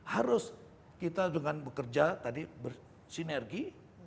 harus kita dengan bekerja tadi bersinergi